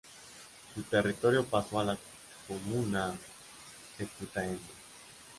Su territorio pasó a la comuna de Putaendo.